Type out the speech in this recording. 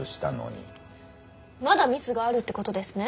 まだミスがあるってことですね。